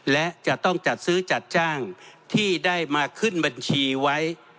และจะต้องจัดซื้อจัดจ้างที่ได้มาขึ้นบัญชีไว้